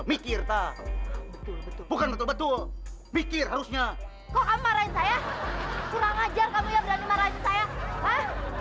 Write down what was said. mikir tak bukan betul betul mikir harusnya kok marahin saya kurang ajar kamu ya berani